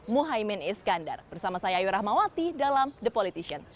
muhaymin iskandar bersama saya ayu rahmawati dalam the politician